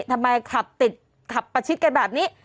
ทำไมขับติดขับประชิดกันแบบนี้